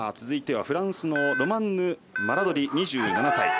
続いては、フランスのロマンヌ・マラドリ、２７歳。